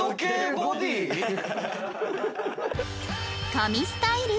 神スタイル！